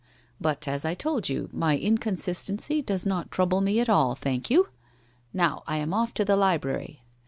But as 1 told you, my inconsistency does not trouble me at all, thank you! Now I am off to the library.